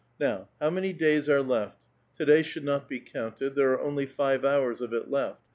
Now, how many days are left? To day should not be counted; there are only five hours of it left.